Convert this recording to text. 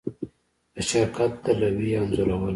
د شرکت د لوحې انځورول